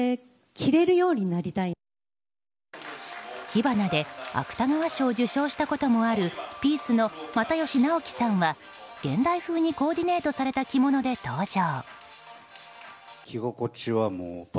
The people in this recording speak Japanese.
「火花」で芥川賞を受賞したこともあるピースの又吉直樹さんは現代風にコーディネートされた着物で登場。